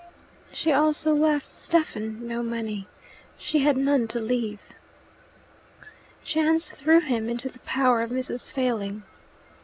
She also left Stephen no money: she had none to leave. Chance threw him into the power of Mrs. Failing.